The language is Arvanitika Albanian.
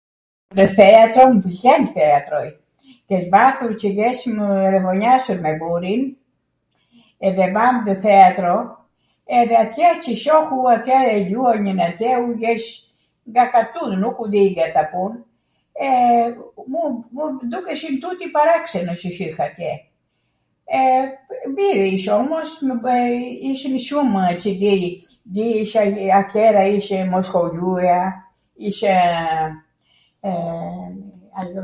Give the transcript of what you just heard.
nw theatro, vjen theatroi, kesh vatur qw jeshmw revonjasur me burin edhe vam nw theatro edhe atje qw shoh u atw, ljuanin atje, u jesh nga katuni, nuku di ng' ata pun e mw dukeshin tuti parakseno qw shih atje, e , mir ish omos, ishin shumw qw dij, atjera ishte Mosholjuja, ishw... ajo...